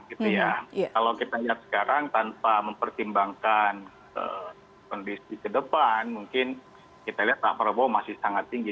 kalau kita lihat sekarang tanpa mempertimbangkan kondisi ke depan mungkin kita lihat pak prabowo masih sangat tinggi